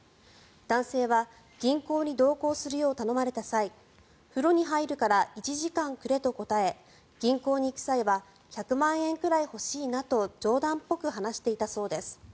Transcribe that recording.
男性は銀行に同行するよう頼まれた際風呂に入るから１時間くれと答え銀行に行く際は１００万円くらい欲しいなと冗談っぽく話していたそうです。